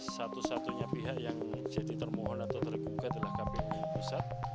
satu satunya pihak yang menjadi termohon atau digugat adalah kpm pusat